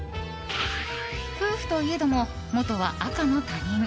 夫婦といえども、もとは赤の他人。